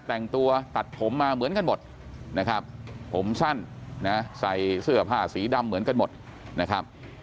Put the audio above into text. แต่งตัวตัดผมมาเหมือนกันหมดนะครับผมสั้นนะใส่เสื้อผ้าสีดำเหมือนกันหมดนะครับ